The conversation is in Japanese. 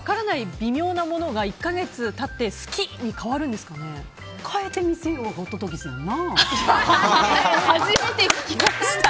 微妙なものが１か月経って好き！に変えてみせようホトトギスやんな。